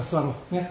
ねっ？